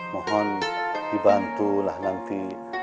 mohon dibantulah nanti